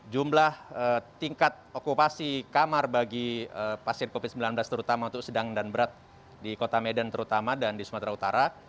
jumlah tingkat okupasi kamar bagi pasien covid sembilan belas terutama untuk sedang dan berat di kota medan terutama dan di sumatera utara